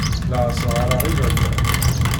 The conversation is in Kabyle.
La as-ɣɣareɣ i baba.